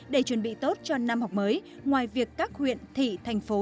để chuẩn bị tốt cho năm học mới ngoài việc các huyện thị thành phố